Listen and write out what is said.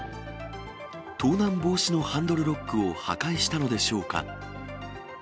盗難防止のハンドルロックを破壊したのでしょうか。